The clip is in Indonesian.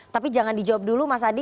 tapi jangan dijawab dulu mas adi